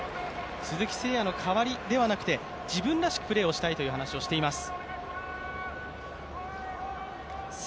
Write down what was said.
鈴木誠也の代わりではなくて自分らしくプレーしたいと話しています。